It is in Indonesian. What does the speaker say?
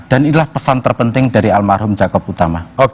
dan inilah pesan terpenting dari almarhum jacob utama